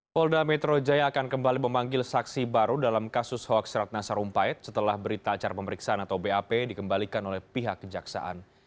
polda metro jaya akan kembali memanggil saksi baru dalam kasus hoaks ratna sarumpait setelah berita acara pemeriksaan atau bap dikembalikan oleh pihak kejaksaan